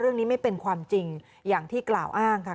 เรื่องนี้ไม่เป็นความจริงอย่างที่กล่าวอ้างค่ะ